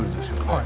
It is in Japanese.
はい。